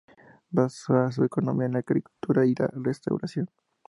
Basa su economía en la agricultura y en la restauración.